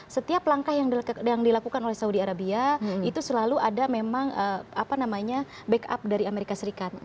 setiap langkah yang dilakukan oleh saudi arabia itu selalu ada memang apa namanya backup dari amerika serikat